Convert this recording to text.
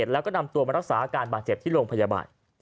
แล้วก็นำตัวมารักษาอาการบาดเจ็บที่โรงพยาบาล